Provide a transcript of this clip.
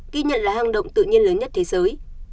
ghi nhận là hang động tự nhiên lớn nhất thế giới